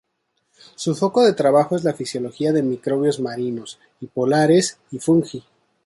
Su foco de trabajo es la fisiología de microbios marinos y polares y fungi.